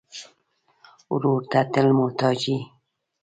ورور ته تل محتاج یې.